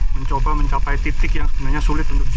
mencoba mencapai titik yang sebenarnya sulit untuk di